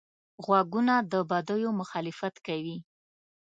غوږونه د بدیو مخالفت کوي